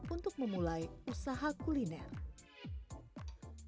untuk memulai usaha kuliner